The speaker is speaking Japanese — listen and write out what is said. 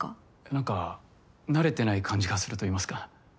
何か慣れてない感じがするといいますか。